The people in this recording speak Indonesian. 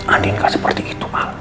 andien gak seperti itu al